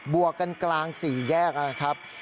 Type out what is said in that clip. วกกันกลางสี่แยกนะครับ